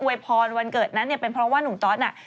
วยพรวันเกิดนั้นเนี่ยเป็นเพราะว่านุ่มตอสน่ะ